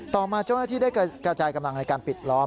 ต่อมาเจ้าหน้าที่ได้กระจายกำลังในการปิดล้อม